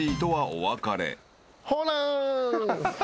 ほな。